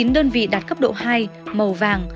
bốn mươi chín đơn vị đạt cấp độ hai màu vàng